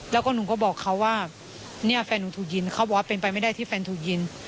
แล้วก็หนูก็บอกเขาว่าเนี่ยแฟนหนูถูกยิงเขาบอกว่าเป็นไปไม่ได้ที่แฟนถูกยิง